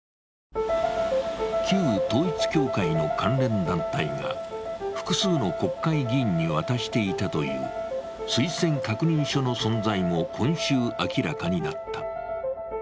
旧統一教会の関連団体が複数の国会議員に渡していたという推薦確認書の存在も今週、明らかになった。